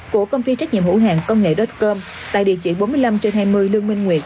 của công ty trách nhiệm hữu hàng công nghệ deadcom tại địa chỉ bốn mươi năm trên hai mươi lương minh nguyệt